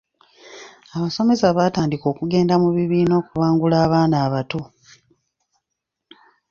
Abasomesa baatandika okugenda mu bibiina okubangula abaana abato.